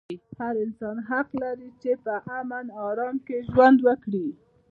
هر انسان حق لري چې په امن او ارام کې ژوند وکړي.